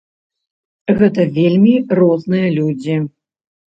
Гэта вельмі розныя людзі.